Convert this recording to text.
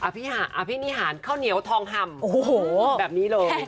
อภิหารอภิหารข้าวเหนียวทองห่ำแบบนี้เลย